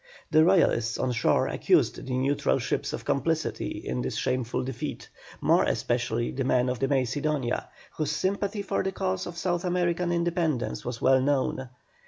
The Royalists on shore accused the neutral ships of complicity in this shameful defeat, more especially the men of the Macedonia, whose sympathy for the cause of South American Independence was well known.